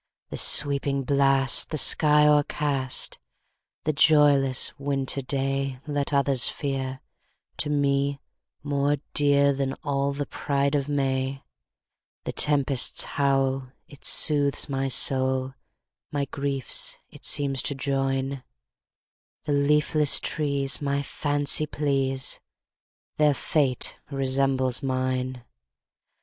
"The sweeping blast, the sky o'ercast,"The joyless winter dayLet others fear, to me more dearThan all the pride of May:The tempest's howl, it soothes my soul, My griefs it seems to join; The leafless trees my fancy please, Their fate resembles mine!